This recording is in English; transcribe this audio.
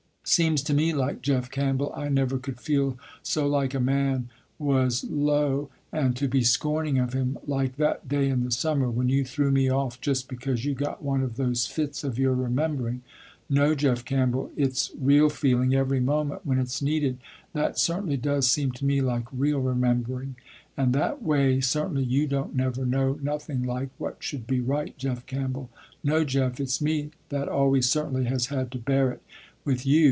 Seems to me like Jeff Campbell, I never could feel so like a man was low and to be scorning of him, like that day in the summer, when you threw me off just because you got one of those fits of your remembering. No, Jeff Campbell, its real feeling every moment when its needed, that certainly does seem to me like real remembering. And that way, certainly, you don't never know nothing like what should be right Jeff Campbell. No Jeff, it's me that always certainly has had to bear it with you.